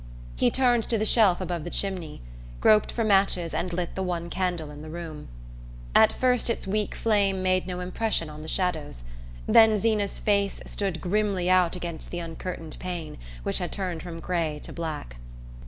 He turned to the shelf above the chimney, groped for matches and lit the one candle in the room. At first its weak flame made no impression on the shadows; then Zeena's face stood grimly out against the uncurtained pane, which had turned from grey to black.